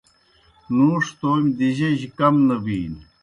نُوݜ تومیْ دِجِجیْ کم نہ بِینیْ۔